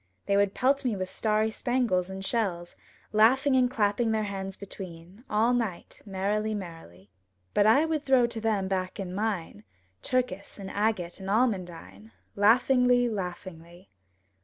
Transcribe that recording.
They would pelt me with starry spangles and shells, Laughing and clapping their hands between, All night, merrily, merrily. But I would throw to them back in mine Turkis and agate and almondine; Laughingly, laughingly.